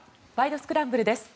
スクランブル」です。